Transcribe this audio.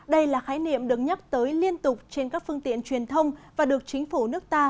đây là khái niệm được nhắc tới liên tục trên các phương tiện truyền thông và được chính phủ nước ta